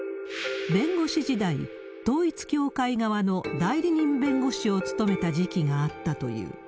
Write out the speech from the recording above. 弁護士時代、統一教会側の代理人弁護士を務めた時期があったという。